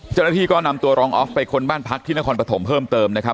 เจ้าหน้าที่ก็นำตัวรองออฟไปค้นบ้านพักที่นครปฐมเพิ่มเติมนะครับ